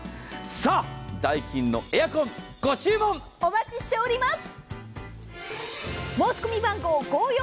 さあ、ダイキンのエアコン、ご注文お待ちしております。